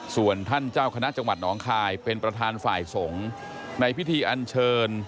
ส่วนท่านเจ้าคณะจังหวัดหนองคายเป็นประธานฝ่ายสงฆ์ในพิธีอันเชิญ